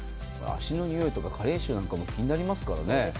足の臭いとか加齢臭なんかも気になりますからね。